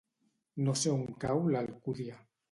No sé on cau l'Alcúdia.